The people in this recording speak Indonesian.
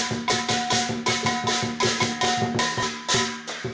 kisah tentang kehidupan yang harmoni